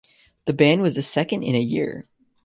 The ban was the second in a year.